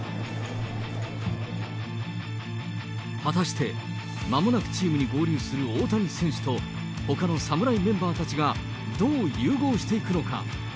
果たしてまもなくチームに合流する大谷選手とほかの侍メンバーたちが、どう融合していくのか。